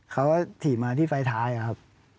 เขาก็ถีบมาที่ไฟท้ายครับ